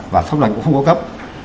và pháp luật cũng không có cấp